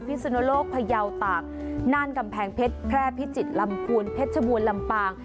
สุนโลกพยาวตากน่านกำแพงเพชรแพร่พิจิตรลำพูนเพชรชบูรลำปาง